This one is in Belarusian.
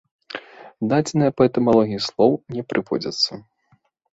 Дадзеныя па этымалогіі слоў не прыводзяцца.